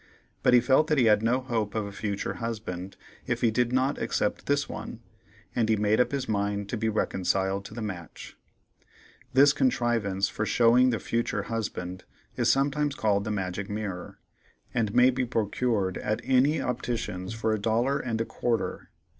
But he felt that he had no hope of a future husband if he did not accept this one, and he made up his mind to be reconciled to the match. This contrivance for showing the "future husband" is sometimes called the Magic Mirror, and may be procured at any optician's for a dollar and a quarter.